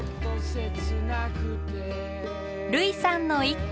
類さんの一句。